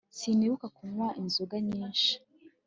sinibuka kunywa inzoga nyinshi